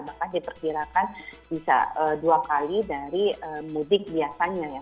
maka diperkirakan bisa dua kali dari mudik biasanya ya